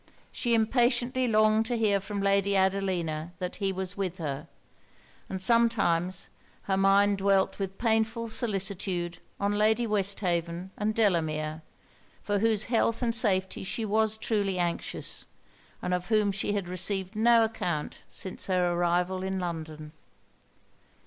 She impatiently longed to hear from Lady Adelina that he was with her: and sometimes her mind dwelt with painful solicitude on Lady Westhaven and Delamere, for whose health and safety she was truly anxious, and of whom she had received no account since her arrival in London.